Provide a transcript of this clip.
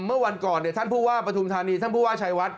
เมื่อวันก่อนท่านผู้ว่าปฐุมธานีท่านผู้ว่าชายวัด